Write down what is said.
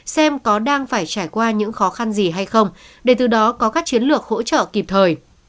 xem có đang phải trải qua những khó khăn gì hay không để từ đó có các chiến lược hỗ trợ kịp thời